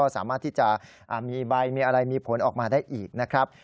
สามารถที่จะมีใบมีอะไรมีผลออกมาได้อีกนะครับ